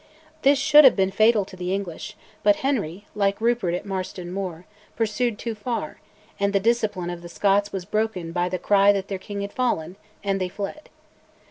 This should have been fatal to the English, but Henry, like Rupert at Marston Moor, pursued too far, and the discipline of the Scots was broken by the cry that their King had fallen, and they fled.